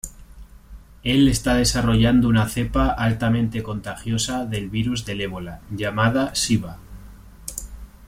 Él está desarrollando una cepa altamente contagiosa del virus del Ébola, llamada "Shiva".